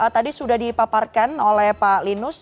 tadi sudah dipaparkan oleh pak linus